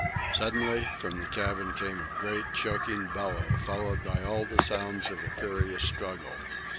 Suddenly, from the cabin came a great, choking bellow, followed by all the sounds of a furious struggle.